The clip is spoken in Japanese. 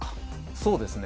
そうですね。